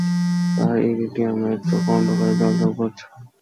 তার ইরিডিয়ামের চােখ অন্ধকারে জ্বল জ্বল করছে।